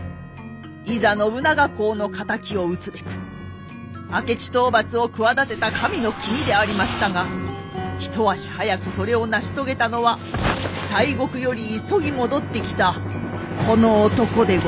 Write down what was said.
いざ信長公の敵を討つべく明智討伐を企てた神の君でありましたが一足早くそれを成し遂げたのは西国より急ぎ戻ってきたこの男でございました。